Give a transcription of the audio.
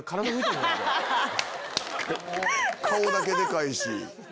顔だけでかいし。